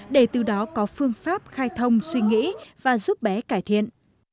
để từ đó có phương pháp khai thông suy nghĩ và giúp bé cải thiện